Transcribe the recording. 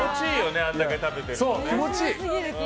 あんだけ食べて。